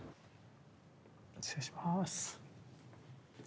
失礼します。